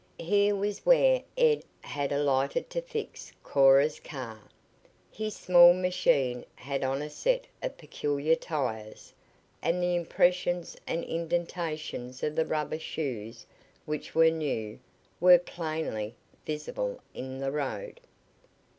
Here was where Ed had alighted to fix Cora's car. His small machine had on a set of peculiar tires, and the impressions and indentations of the rubber shoes, which were new, were plainly, visible in the road.